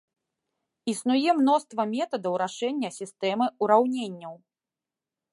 Існуе мноства метадаў рашэння сістэмы ўраўненняў.